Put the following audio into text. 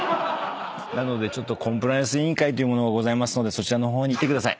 なのでコンプライアンス委員会というものがございますのでそちらの方に行ってください。